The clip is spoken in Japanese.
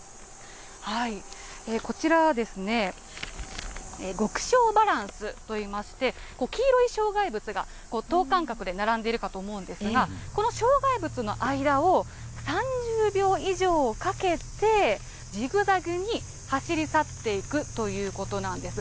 こちらは極小バランスといいまして、黄色い障害物が等間隔で並んでいるかと思うんですが、この障害物の間を３０秒以上かけてジグザグに走り去っていくということなんです。